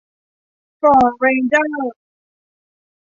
ฟอร์ดเรนเจอร์